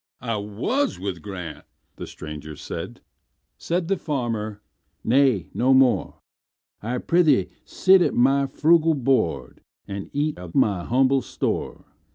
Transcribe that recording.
"I was with Grant"—the stranger said; Said the farmer, "Nay, no more,—I prithee sit at my frugal board, And eat of my humble store.